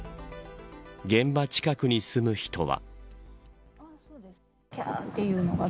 現場近くに住む人は。